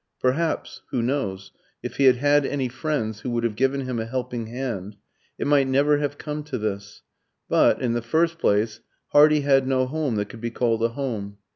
Perhaps who knows? if he had had any friends who would have given him a helping hand, it might never have come to this. But, in the first place, Hardy had no home that could be called a home.